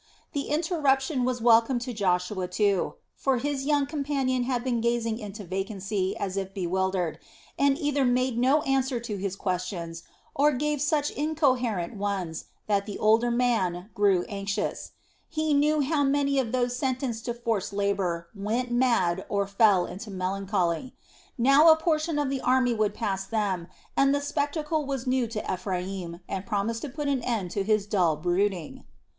The interruption was welcome to Joshua, too; for his young companion had been gazing into vacancy as if bewildered, and either made no answer to his questions or gave such incoherent ones that the older man grew anxious; he knew how many of those sentenced to forced labor went mad or fell into melancholy. Now a portion of the army would pass them, and the spectacle was new to Ephraim and promised to put an end to his dull brooding.